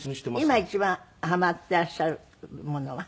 今一番ハマっていらっしゃるものは？